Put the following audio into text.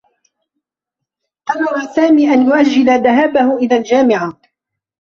قرّر سامي أن يؤجّل ذهابه إلى الجامعة.